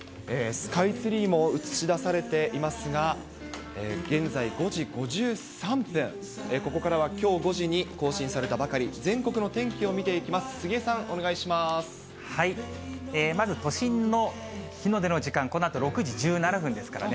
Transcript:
スカイツリーも映し出されていますが、現在５時５３分、ここからはきょう５時に更新されたばかり、全国の天気を見ていきまず、都心の日の出の時間、このあと６時１７分ですからね。